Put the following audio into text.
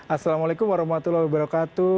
assalamualaikum warahmatullahi wabarakatuh